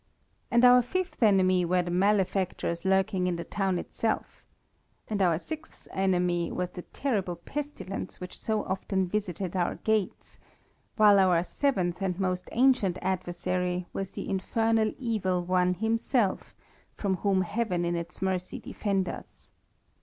And our fifth enemy were the malefactors lurking in the town itself; and our sixth enemy was the terrible pestilence which so often visited our gates; while our seventh and most ancient adversary was the infernal Evil One himself, from whom Heaven in its mercy defend us.